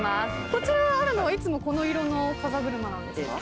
こちらあるのはいつもこの色のかざぐるまなんですか？